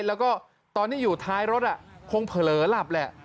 แล้วก็ตอนที่อยู่ท้ายรถคงเผลอหลับแหละ